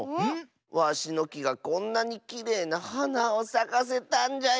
わしのきがこんなにきれいなはなをさかせたんじゃよ！